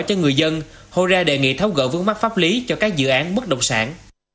cho người dân horia đề nghị tháo gỡ vướng mắt pháp lý cho các dự án bất động sản